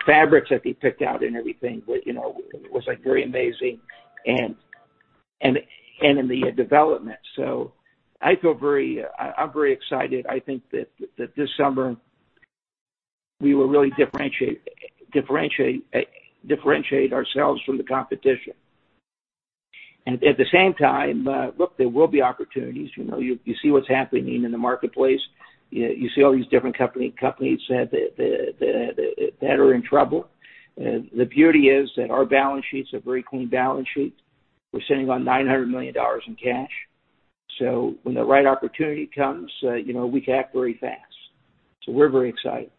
fabrics that they picked out and everything. It was very amazing, and in the development. I'm very excited. I think that this summer, we will really differentiate ourselves from the competition. At the same time, look, there will be opportunities. You see what's happening in the marketplace. You see all these different companies that are in trouble. The beauty is that our balance sheets are very clean balance sheets. We're sitting on $900 million in cash. When the right opportunity comes, we can act very fast. We're very excited.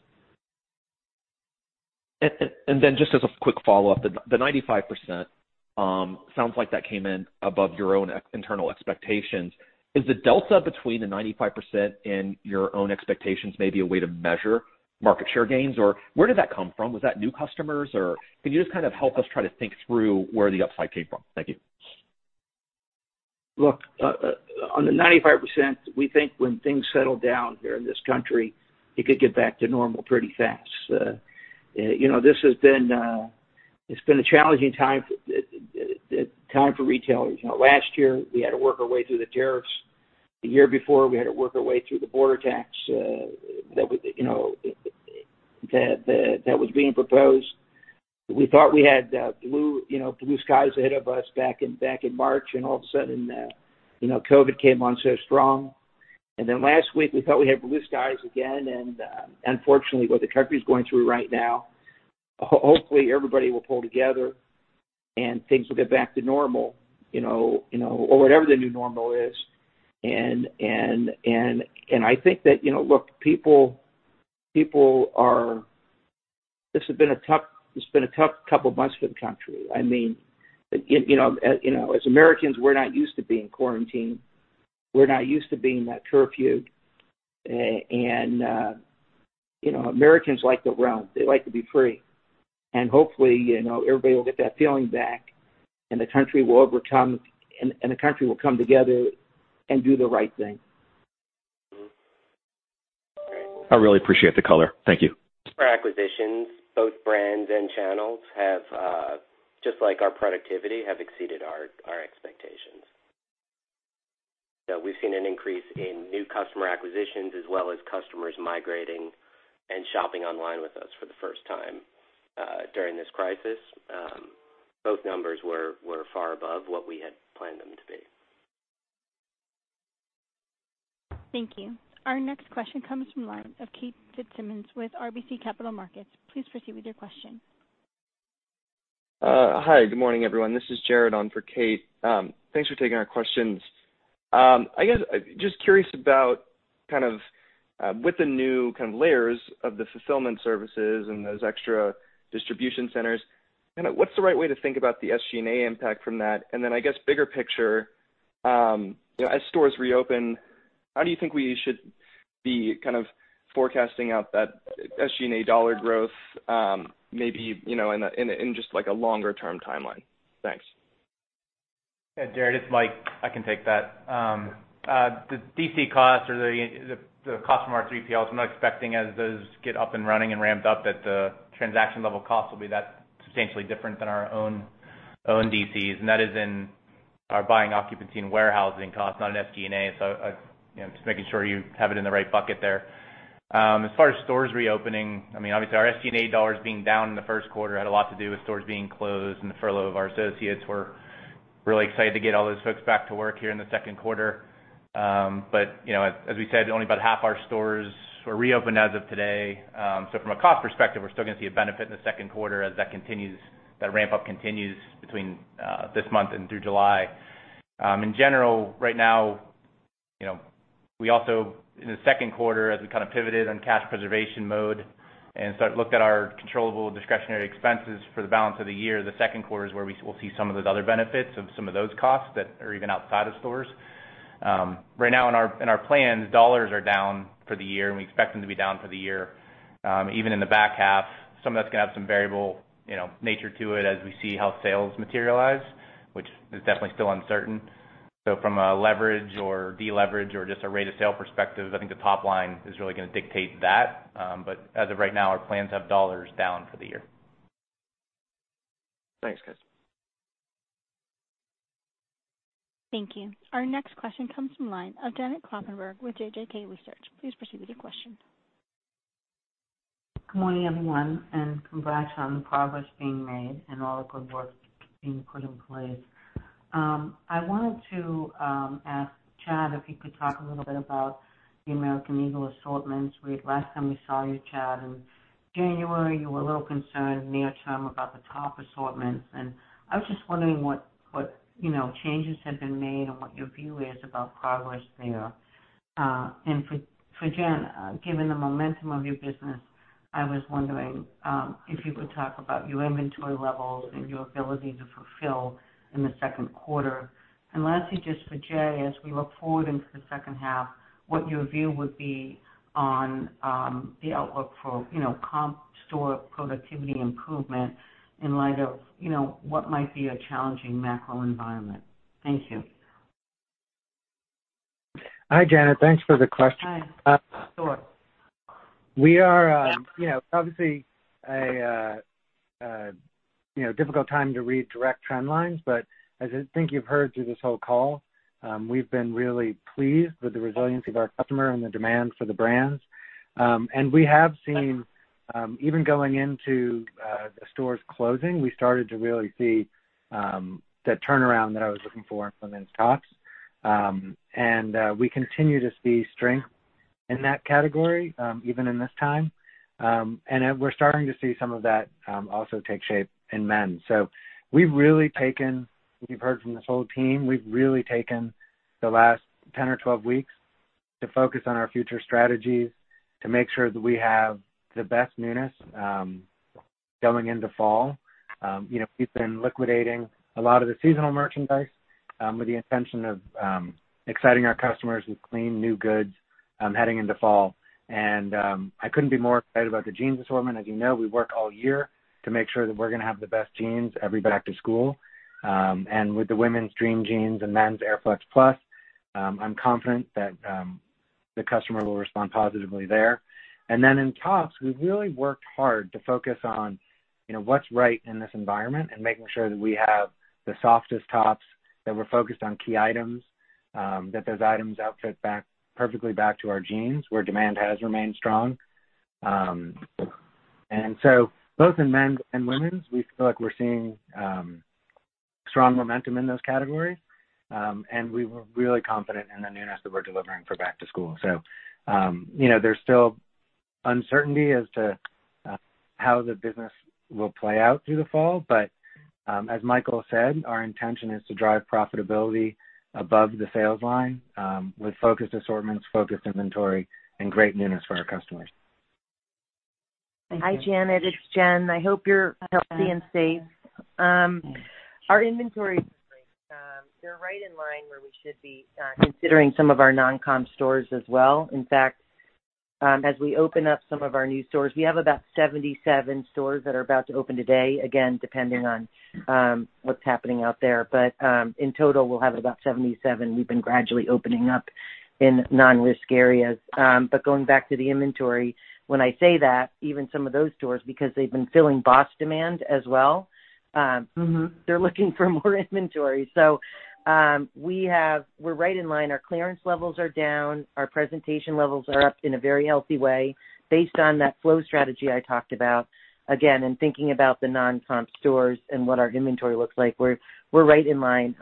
Just as a quick follow-up, the 95%, sounds like that came in above your own internal expectations. Is the delta between the 95% and your own expectations maybe a way to measure market share gains? Or where did that come from? Was that new customers, or can you just help us try to think through where the upside came from? Thank you. Look, on the 95%, we think when things settle down here in this country, it could get back to normal pretty fast. It's been a challenging time for retailers. Last year, we had to work our way through the tariffs. The year before, we had to work our way through the border tax that was being proposed. We thought we had blue skies ahead of us back in March, all of a sudden, COVID came on so strong. Last week, we thought we had blue skies again, unfortunately, what the country is going through right now, hopefully everybody will pull together and things will get back to normal, or whatever the new normal is. I think that, look, this has been a tough couple of months for the country. As Americans, we're not used to being quarantined. We're not used to being that curfewed. Americans like to roam. They like to be free. Hopefully, everybody will get that feeling back, and the country will overcome, and the country will come together and do the right thing. I really appreciate the color. Thank you. Our acquisitions, both brands and channels, just like our productivity, have exceeded our expectations. We've seen an increase in new customer acquisitions as well as customers migrating and shopping online with us for the first time during this crisis. Both numbers were far above what we had planned them to be. Thank you. Our next question comes from the line of Kate Fitzsimons with RBC Capital Markets. Please proceed with your question. Hi, good morning, everyone. This is Jared on for Kate. Thanks for taking our questions. I guess, just curious about with the new layers of the fulfillment services and those extra distribution centers, what's the right way to think about the SG&A impact from that? Then I guess bigger picture, as stores reopen, how do you think we should be forecasting out that SG&A dollar growth, maybe in just like a longer-term timeline? Thanks. Yeah, Jared, it's Mike. I can take that. The DC costs or the cost from our 3PLs, I'm not expecting as those get up and running and ramped up that the transaction-level cost will be that substantially different than our own DCs, and that is in our buying occupancy and warehousing costs, not in SG&A. Just making sure you have it in the right bucket there. As far as stores reopening, obviously our SG&A dollars being down in the first quarter had a lot to do with stores being closed and the furlough of our associates. We're really excited to get all those folks back to work here in the second quarter. As we said, only about half our stores were reopened as of today. From a cost perspective, we're still going to see a benefit in the second quarter as that ramp-up continues between this month and through July. In general, right now, we also, in the second quarter, as we pivoted on cash preservation mode and started looking at our controllable discretionary expenses for the balance of the year, the second quarter is where we'll see some of those other benefits of some of those costs that are even outside of stores. Right now in our plans, dollars are down for the year, and we expect them to be down for the year. Even in the back half, some of that's going to have some variable nature to it as we see how sales materialize, which is definitely still uncertain. From a leverage or deleverage or just a rate of sale perspective, I think the top line is really going to dictate that. As of right now, our plans have dollars down for the year. Thanks, guys. Thank you. Our next question comes from the line of Janet Kloppenburg with JJK Research. Please proceed with your question. Good morning, everyone, and congrats on the progress being made and all the good work being put in place. I wanted to ask Chad if he could talk a little bit about the American Eagle assortments. Last time we saw you, Chad, in January, you were a little concerned near term about the top assortments, and I was just wondering what changes have been made and what your view is about progress there. For Jen, given the momentum of your business, I was wondering if you could talk about your inventory levels and your ability to fulfill in the second quarter. Lastly, just for Jay, as we look forward into the second half, what your view would be on the outlook for comp store productivity improvement in light of what might be a challenging macro environment. Thank you. Hi, Janet. Thanks for the question. Hi. Sure. We are, obviously a difficult time to read direct trend lines, but as I think you've heard through this whole call, we've been really pleased with the resilience of our customer and the demand for the brands. We have seen, even going into the stores closing, we started to really see that turnaround that I was looking for in women's tops. We continue to see strength in that category, even in this time. We're starting to see some of that also take shape in men's. We've really taken, as you've heard from this whole team, we've really taken the last 10 or 12 weeks to focus on our future strategies to make sure that we have the best newness going into fall. We've been liquidating a lot of the seasonal merchandise with the intention of exciting our customers with clean, new goods heading into fall. I couldn't be more excited about the jeans assortment. As you know, we work all year to make sure that we're going to have the best jeans every back to school. With the women's Dream Jeans and Men's AirFlex+, I'm confident that the customer will respond positively there. In tops, we've really worked hard to focus on what's right in this environment and making sure that we have the softest tops, that we're focused on key items, that those items outfit back perfectly back to our jeans, where demand has remained strong. Both in men's and women's, we feel like we're seeing strong momentum in those categories. We were really confident in the newness that we're delivering for back to school. There's still uncertainty as to how the business will play out through the fall. As Michael said, our intention is to drive profitability above the sales line with focused assortments, focused inventory, and great newness for our customers. Thank you. Hi, Janet. It's Jen. I hope you're healthy and safe. Our inventories, they're right in line where we should be considering some of our non-comp stores as well. In fact, as we open up some of our new stores, we have about 77 stores that are about to open today, again, depending on what's happening out there. In total, we'll have about 77. We've been gradually opening up in non-risk areas. Going back to the inventory, when I say that, even some of those stores, because they've been filling BOPIS demand as well. They're looking for more inventory. We're right in line. Our clearance levels are down. Our presentation levels are up in a very healthy way based on that flow strategy I talked about. Again, in thinking about the non-comp stores and what our inventory looks like, we're right in line.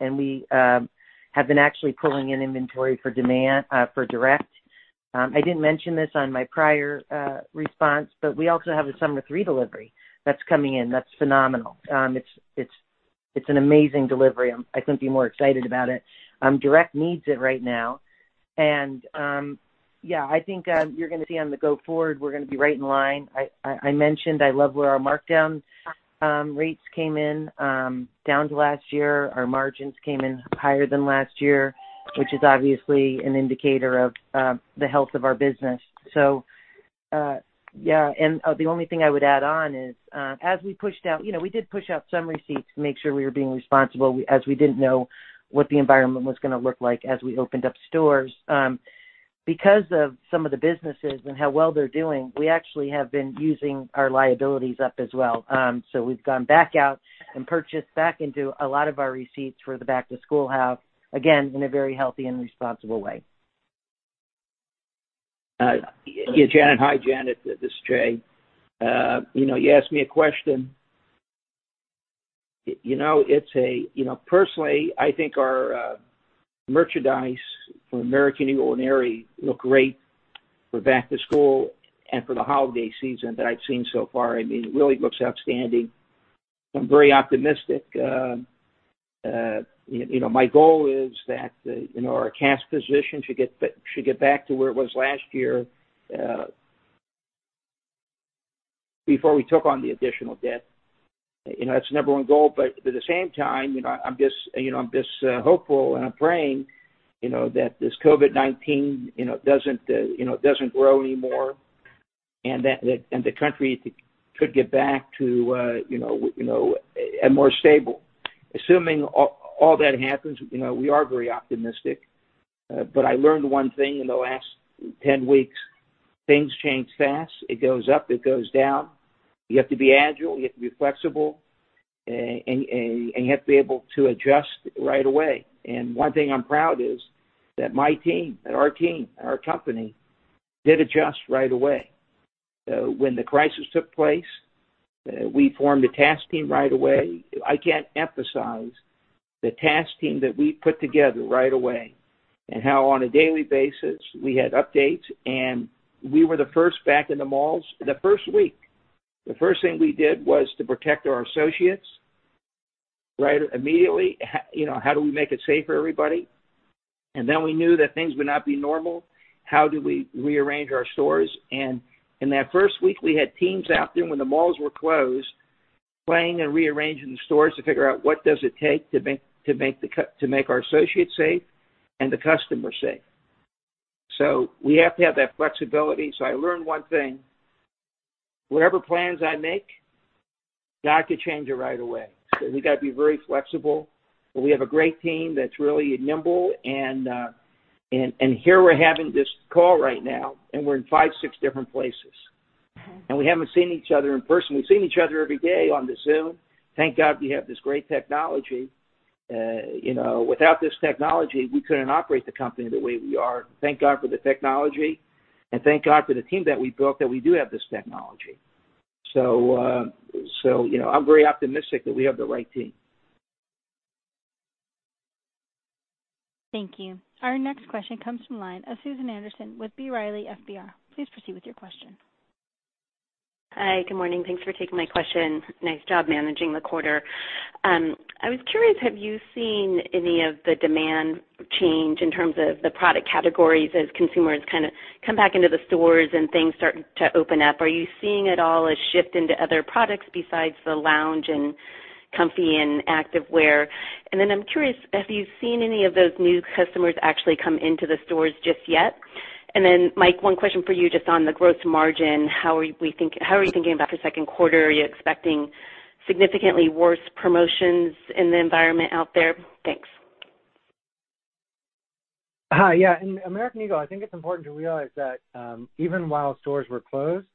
We have been actually pulling in inventory for demand for direct. I didn't mention this on my prior response, we also have a Summer 3 delivery that's coming in that's phenomenal. It's an amazing delivery. I couldn't be more excited about it. Direct needs it right now. Yeah, I think you're going to see on the go forward, we're going to be right in line. I mentioned I love where our markdown rates came in down to last year. Our margins came in higher than last year, which is obviously an indicator of the health of our business. Yeah. The only thing I would add on is, as we pushed out, we did push out some receipts to make sure we were being responsible as we didn't know what the environment was going to look like as we opened up stores. Because of some of the businesses and how well they're doing, we actually have been using our liabilities up as well. We've gone back out and purchased back into a lot of our receipts for the back to school have, again, in a very healthy and responsible way. Yeah, Janet. Hi, Janet. This is Jay. You asked me a question. Personally, I think our merchandise for American Eagle and Aerie look great for back to school and for the holiday season that I've seen so far. It really looks outstanding. I'm very optimistic. My goal is that our cash position should get back to where it was last year before we took on the additional debt. That's the number one goal. At the same time, I'm just hopeful, and I'm praying, that this COVID-19 doesn't grow anymore and the country could get back to a more stable. I learned one thing in the last 10 weeks, things change fast. It goes up. It goes down. You have to be agile. You have to be flexible, and you have to be able to adjust right away. One thing I'm proud is that our team, our company, did adjust right away. When the crisis took place, we formed a task team right away. I can't emphasize the task team that we put together right away, and how on a daily basis we had updates, and we were the first back in the malls the first week. The first thing we did was to protect our associates. Right. Immediately, how do we make it safe for everybody? We knew that things would not be normal. How do we rearrange our stores? In that first week, we had teams out there when the malls were closed, planning and rearranging the stores to figure out what does it take to make our associates safe and the customers safe. We have to have that flexibility. I learned one thing, whatever plans I make, I could change it right away. We got to be very flexible, but we have a great team that's really nimble and here we're having this call right now, and we're in five, six different places. Okay. We haven't seen each other in person. We've seen each other every day on the Zoom. Thank God we have this great technology. Without this technology, we couldn't operate the company the way we are. Thank God for the technology, and thank God for the team that we built, that we do have this technology. I'm very optimistic that we have the right team. Thank you. Our next question comes from line of Susan Anderson with B. Riley FBR. Please proceed with your question. Hi. Good morning. Thanks for taking my question. Nice job managing the quarter. I was curious, have you seen any of the demand change in terms of the product categories as consumers come back into the stores and things start to open up? Are you seeing it all as shift into other products besides the lounge and comfy and activewear? I'm curious if you've seen any of those new customers actually come into the stores just yet. Mike, one question for you just on the gross margin, how are you thinking about the second quarter? Are you expecting significantly worse promotions in the environment out there? Thanks. Hi. Yeah. In American Eagle, I think it's important to realize that, even while stores were closed,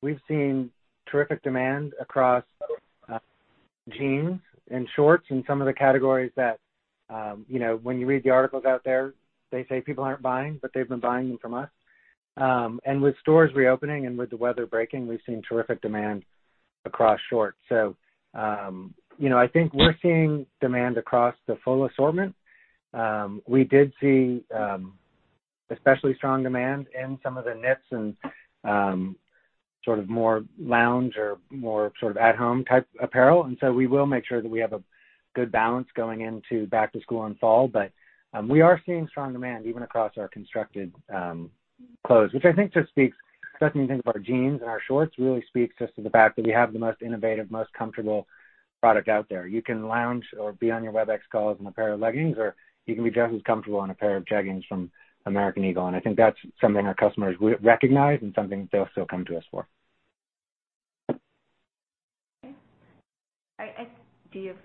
we've seen terrific demand across jeans and shorts and some of the categories that when you read the articles out there, they say people aren't buying, but they've been buying them from us. With stores reopening and with the weather breaking, we've seen terrific demand across shorts. I think we're seeing demand across the full assortment. We did see especially strong demand in some of the knits and more lounge or more at home type apparel, and so we will make sure that we have a good balance going into back to school and fall. We are seeing strong demand even across our constructed clothes, which I think just speaks, especially when you think about our jeans and our shorts, really speaks just to the fact that we have the most innovative, most comfortable product out there. You can lounge or be on your Webex calls in a pair of leggings, or you can be just as comfortable in a pair of jeggings from American Eagle. I think that's something our customers recognize and something they'll still come to us for. Okay.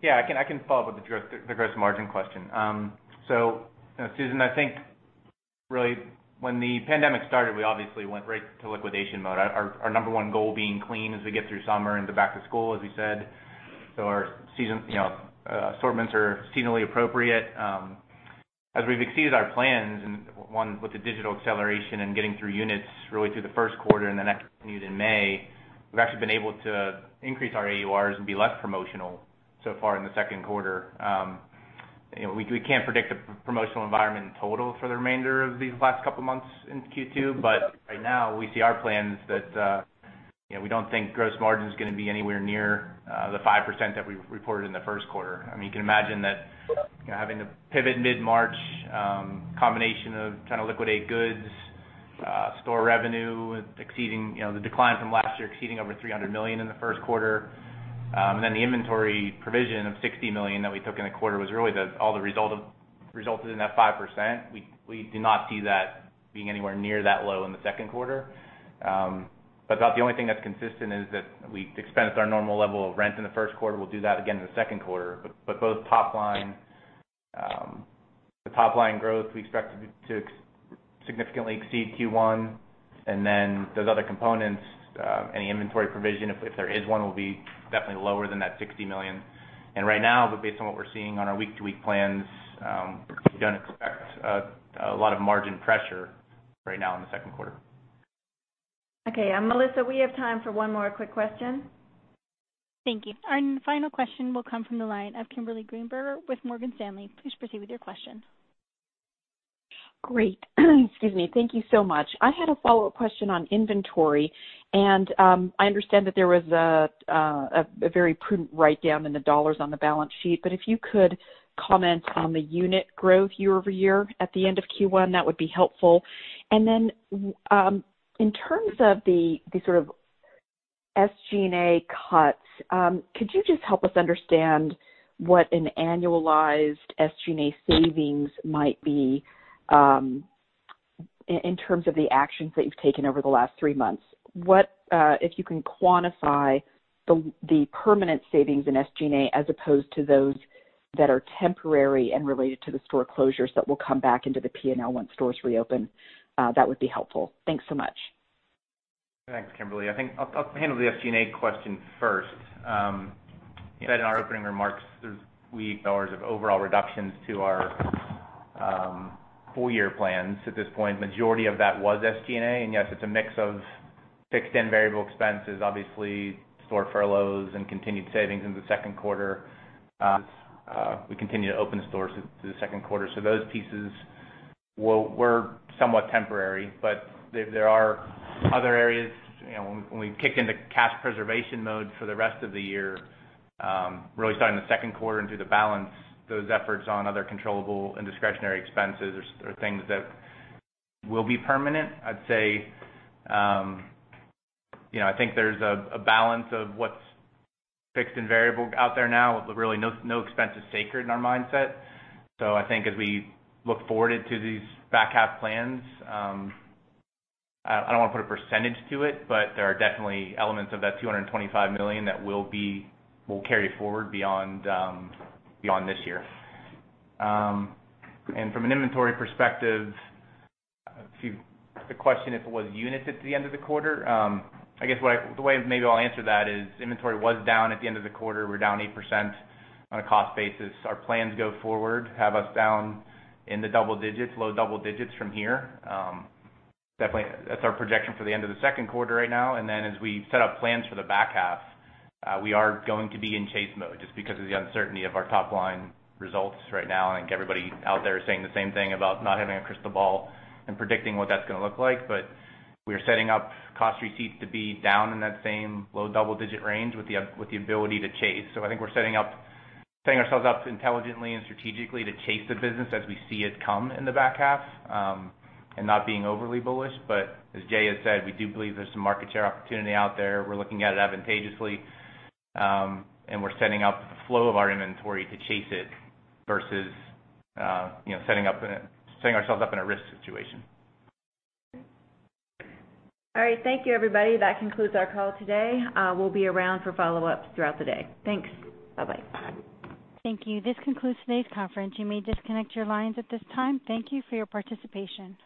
Yeah, I can follow up with the gross margin question. Susan, I think really when the pandemic started, we obviously went right to liquidation mode. Our number one goal being clean as we get through summer into back to school, as we said. Our assortments are seasonally appropriate. As we've exceeded our plans, with the digital acceleration and getting through units really through the first quarter and then that continued in May, we've actually been able to increase our AURs and be less promotional so far in the second quarter. We can't predict a promotional environment in total for the remainder of these last couple of months in Q2. Right now, we see our plans that we don't think gross margin's gonna be anywhere near the 5% that we reported in the first quarter. You can imagine that having to pivot mid-March, combination of trying to liquidate goods, store revenue exceeding the decline from last year, exceeding over $300 million in the first quarter. The inventory provision of $60 million that we took in the quarter was really all that resulted in that 5%. We do not see that being anywhere near that low in the second quarter. About the only thing that's consistent is that we expensed our normal level of rent in the first quarter. We'll do that again in the second quarter. Both top line growth, we expect to significantly exceed Q1, and then those other components, any inventory provision, if there is one, will be definitely lower than that $60 million. Right now, based on what we're seeing on our week-to-week plans, we don't expect a lot of margin pressure right now in the second quarter. Okay. Melissa, we have time for one more quick question. Thank you. Our final question will come from the line of Kimberly Greenberger with Morgan Stanley. Please proceed with your question. Great. Excuse me. Thank you so much. I had a follow-up question on inventory. I understand that there was a very prudent write-down in the dollars on the balance sheet, if you could comment on the unit growth year-over-year at the end of Q1, that would be helpful. In terms of the sort of SG&A cuts, could you just help us understand what an annualized SG&A savings might be in terms of the actions that you've taken over the last three months? If you can quantify the permanent savings in SG&A as opposed to those that are temporary and related to the store closures that will come back into the P&L once stores reopen, that would be helpful. Thanks so much. Thanks, Kimberly. I think I'll handle the SG&A question first. Said in our opening remarks, we've had overall reductions to our full year plans at this point. Majority of that was SG&A, and yes, it's a mix of fixed and variable expenses, obviously store furloughs and continued savings in the second quarter as we continue to open stores through the second quarter. Those pieces, well, we're somewhat temporary, but there are other areas, when we kick into cash preservation mode for the rest of the year, really starting in the second quarter and through the balance, those efforts on other controllable and discretionary expenses are things that will be permanent. I'd say, I think there's a balance of what's fixed and variable out there now, but really no expense is sacred in our mindset. I think as we look forward into these back-half plans, I don't want to put a percentage to it, but there are definitely elements of that $225 million that will carry forward beyond this year. From an inventory perspective, the question, if it was units at the end of the quarter, I guess the way maybe I'll answer that is inventory was down at the end of the quarter. We're down 8% on a cost basis. Our plans go forward, have us down in the double digits, low double digits from here. Definitely, that's our projection for the end of the second quarter right now. Then as we set up plans for the back half, we are going to be in chase mode just because of the uncertainty of our top-line results right now. I think everybody out there is saying the same thing about not having a crystal ball and predicting what that's going to look like. We are setting up cost receipts to be down in that same low double-digit range with the ability to chase. I think we're setting ourselves up intelligently and strategically to chase the business as we see it come in the back half, and not being overly bullish. As Jay has said, we do believe there's some market share opportunity out there. We're looking at it advantageously, and we're setting up the flow of our inventory to chase it versus setting ourselves up in a risk situation. All right. Thank you, everybody. That concludes our call today. We'll be around for follow-ups throughout the day. Thanks. Bye-bye. Thank you. This concludes today's conference. You may disconnect your lines at this time. Thank you for your participation.